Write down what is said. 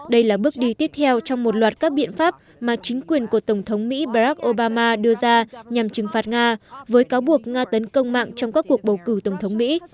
đây là bước đi tiếp theo trong một loạt các biện pháp mà chính quyền của tổng thống mỹ brack obama đưa ra nhằm trừng phạt nga với cáo buộc nga tấn công mạng trong các cuộc bầu cử tổng thống mỹ